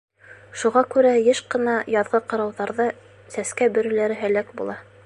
Шуға күрә йыш ҡына яҙғы ҡырауҙарҙа сәскә бөрөләре һәләк була.